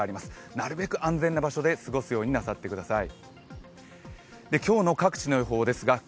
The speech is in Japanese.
なるべく安全な場所で過ごすようになさってください。